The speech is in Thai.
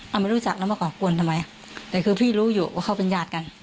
เอาไม่รู้จักแล้วมาก่อกวนทำไมแต่คือพี่รู้อยู่ว่าเขาเป็นญาติกัน